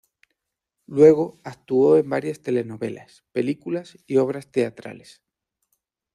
Luego actuó en varias telenovelas, películas y obras teatrales.